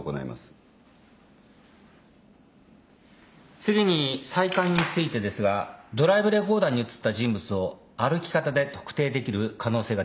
次に再鑑についてですがドライブレコーダーに写った人物を歩き方で特定できる可能性が出てきました。